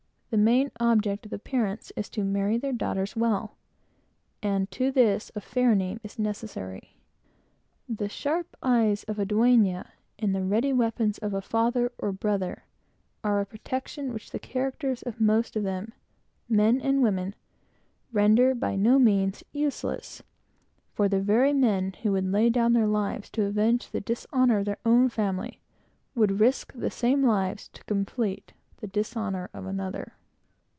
The main object of the parents is to marry their daughters well, and to this, the slightest slip would be fatal. The sharp eyes of a dueña, and the cold steel of a father or brother, are a protection which the characters of most of them men and women render by no means useless; for the very men who would lay down their lives to avenge the dishonor of their own family, would risk the same lives to complete the dishonor of another.